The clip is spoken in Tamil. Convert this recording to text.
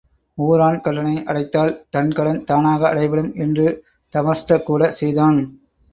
ஊரான் கடனை அடைத்தாள், தன் கடன் தானாக அடைபடும் என்று தமர்ஷ்கூட செய்தான்.